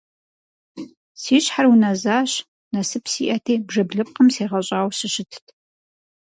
Си щхьэр унэзащ, насып сиӀэти бжэблыпкъым сегъэщӀауэ сыщытт.